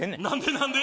何で？